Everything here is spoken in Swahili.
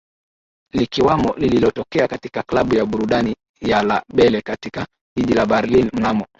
likiwamo lililotokea katika klabu ya burudani ya La Belle katika jiji la Berlin mnamo